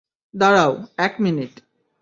দাড়াঁও, এক মিনিট।